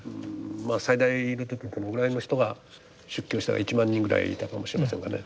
最大の時にどのぐらいの人が出家をしたか１万人ぐらいいたかもしれませんがね。